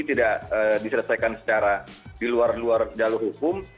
tidak diselesaikan secara di luar luar jalur hukum